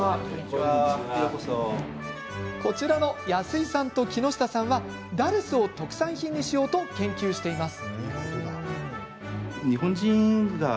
こちらの安井さんと木下さんはダルスを特産品にしようと研究しています。